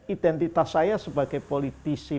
identitas saya sebagai politisi